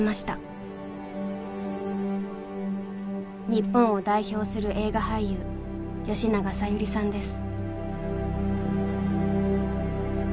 日本を代表する映画俳優吉永小百合さんです。